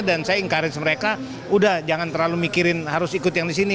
dan saya ingkarin mereka udah jangan terlalu mikirin harus ikut yang disini